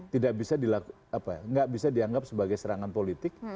tidak bisa dianggap sebagai serangan politik